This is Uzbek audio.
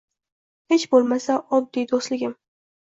Xech bulmasa oddi dustligim